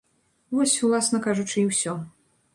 Вось, уласна кажучы, і ўсё.